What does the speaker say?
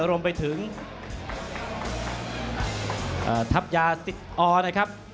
รวมไปถึงทัพยาติดออนะครับ